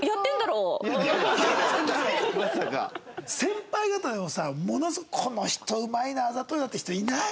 先輩方でもさものすごいこの人うまいなあざといなって人いない？